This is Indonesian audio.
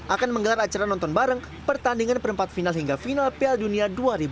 akan menggelar acara nonton bareng pertandingan perempat final hingga final piala dunia dua ribu dua puluh